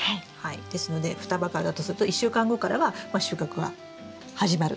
ですので双葉からだとすると１週間後からは収穫は始まるということですね。